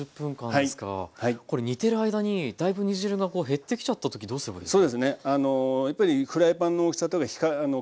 これ煮てる間にだいぶ煮汁が減ってきちゃった時どうすればいいですか？